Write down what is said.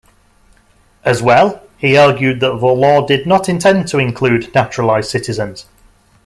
As well, he argued that the law did not intend to include naturalized citizens.